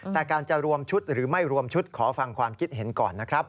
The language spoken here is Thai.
แต่การจะรวมชุดหรือไม่รวมชุดขอฟังความคิดเห็นก่อนนะครับ